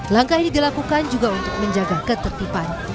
langkah ini dilakukan juga untuk menjaga ketertiban